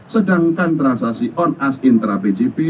sedangkan transaksi on ask intra bjp